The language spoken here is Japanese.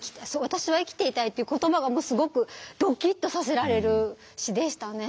私は生きていたいっていう言葉がすごくドキッとさせられる詩でしたね。